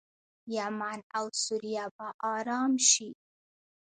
یمن او سوریه به ارام شي.